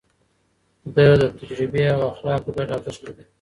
ده د تجربې او اخلاقو ګډ ارزښت ليده.